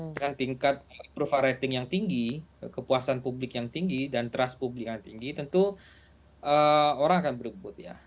dengan tingkat approval rating yang tinggi kepuasan publik yang tinggi dan trust publik yang tinggi tentu orang akan berkebut ya